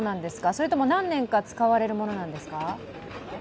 それとも、何年か使われるものなんですか？